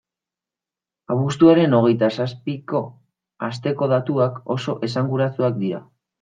Abuztuaren hogeita zazpiko asteko datuak oso esanguratsuak dira.